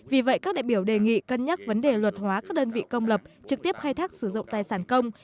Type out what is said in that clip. vì vậy các đại biểu đề nghị cân nhắc vấn đề luật hóa các đơn vị công lập trực tiếp khai thác sử dụng tài sản công